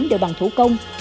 đều bằng thủ công